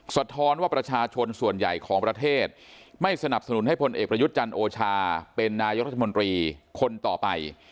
สะท้อนว่าประชาชนส่วนใหญ่ของประเทศไม่สนับสนุนให้พลเอกประยุทธ์จันทร์โอชาเป็นนายกรัฐมนตรีคนต่อไป